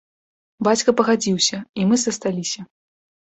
Бацька пагадзіўся, і мы засталіся.